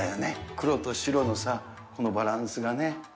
黒と白のさ、このバランスがね。